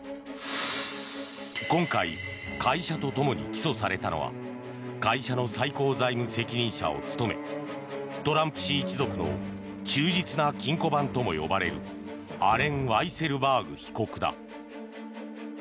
今回、会社と共に起訴されたのは会社の最高財務責任者を務めトランプ氏一族の忠実な金庫番とも呼ばれるアレン・ワイセルバーグ被告だ。